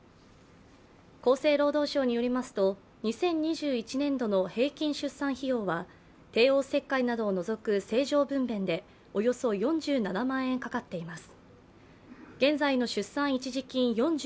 厚生労働省によりますと、２０２１年度の平均出産費用は帝王切開などを除く正常分べんでおよそ４７万円かかっています。